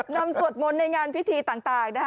สวดมนต์ในงานพิธีต่าง